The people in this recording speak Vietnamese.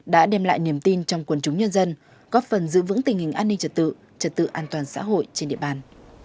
đã đem lại niềm tin trong quần chúng nhân dân góp phần giữ vững tình hình an ninh trật tự trật tự an toàn xã hội trên địa bàn